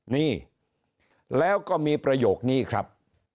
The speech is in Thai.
นี่แล้วก็มีประโยคนี้ครับ